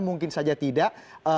mungkin saja tidak